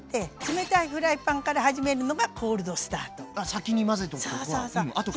先に混ぜとくと。